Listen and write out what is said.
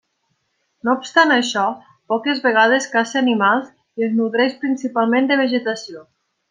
No obstant això, poques vegades caça animals i es nodreix principalment de vegetació.